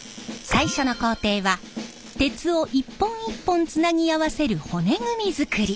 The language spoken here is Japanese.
最初の工程は鉄を一本一本つなぎ合わせる骨組み作り。